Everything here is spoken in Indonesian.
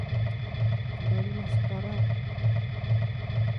Kembalilah sekarang.